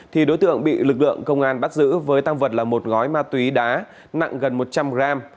thì đối tượng bị lực lượng công an bắt giữ với tăng vật là một gói ma túy đá nặng gần một trăm linh gram